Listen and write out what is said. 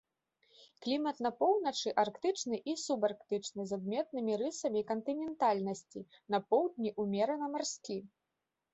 Клімат на поўначы арктычны і субарктычны з адметнымі рысамі кантынентальнасці, на поўдні ўмерана марскі.